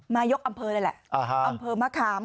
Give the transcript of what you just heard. นายกอำเภอเลยแหละอำเภอมะขาม